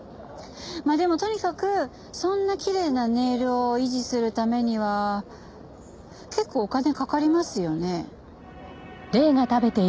まあでもとにかくそんなきれいなネイルを維持するためには結構お金かかりますよね。